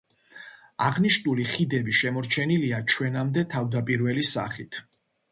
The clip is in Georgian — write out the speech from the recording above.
აღნიშნული ხიდები შემორჩენილია ჩვენამდე თავდაპირველი სახით.